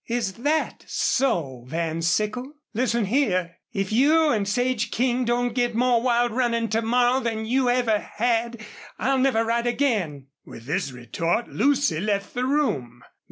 "Is THAT so, Van Sickle? ... Listen here. If you and Sage King don't get more wild running to morrow than you ever had I'll never ride again!" With this retort Lucy left the room.